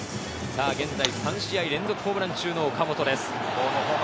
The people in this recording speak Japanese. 現在３試合連続ホームラン中の岡本です。